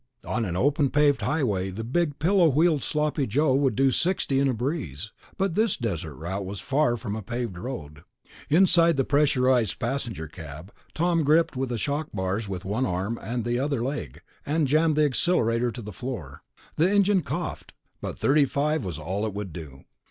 On an open paved highway the big pillow wheeled Sloppy Joe would do sixty in a breeze, but this desert route was far from a paved road. Inside the pressurized passenger cab, Tom gripped the shock bars with one arm and the other leg, and jammed the accelerator to the floor. The engine coughed, but thirty five was all it would do.